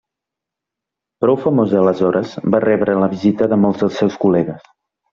Prou famosa aleshores, va rebre la visita de molts dels seus col·legues.